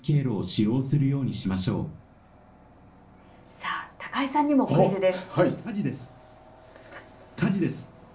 さあ、高井さんにもクイズです。